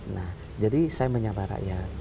nah jadi saya menyapa rakyat